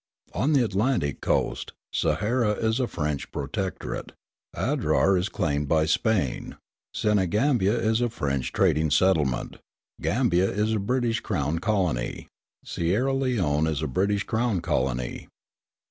On the Atlantic coast, Sahara is a French protectorate, Adrar is claimed by Spain, Senegambia is a French trading settlement, Gambia is a British crown colony, Sierra Leone is a British crown colony.